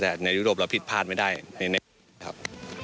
แต่ในยุโรปเราผิดพลาดไม่ได้ครับ